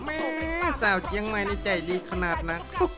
เม้สาวเจียงใหม่ใจดีขนาดนัก